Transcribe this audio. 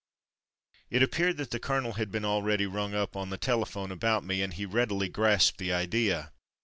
It appeared that the colonel had been already rung up on the telephone about me, and he readily grasped the idea.